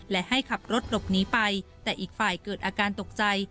และให้ขับรถหลบหนีไปแต่อีกฝ่ายเกิดอาการตกใจ